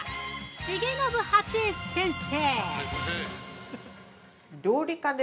・重信初江先生。